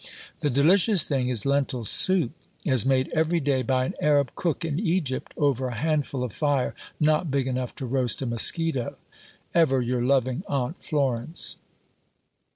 The delicious thing is lentil soup, as made every day by an Arab cook in Egypt, over a handful of fire not big enough to roast a mosquito.... Ever your loving AUNT FLORENCE.